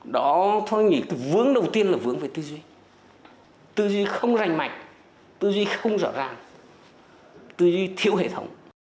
đó tôi nghĩ cái vướng đầu tiên là vướng về tư duy tư duy không rành mạch tư duy không rõ ràng tư duy thiếu hệ thống